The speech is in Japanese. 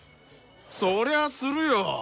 そりゃあするよ。